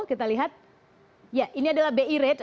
kita lihat ya ini adalah bi rate